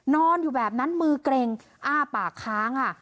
นอนอยู่แบบนั้นมือเกร็งอ้าปากค้างค่ะ